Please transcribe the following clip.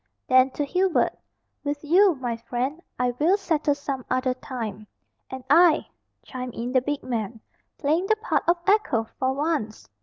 Then, to Hubert, "With you, my friend, I will settle some other time." "And I," chimed in the big man, playing the part of echo for once.